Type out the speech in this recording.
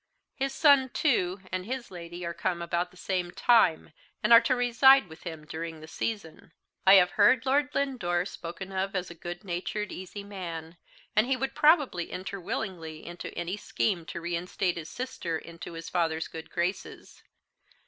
His son, too, and his lady are to come about the same time, and are to reside with him during the season. I have heard Lord Lindore spoken of as a good natured easy man, and he would probably enter willingly into any scheme to reinstate his sister into his father's good graces.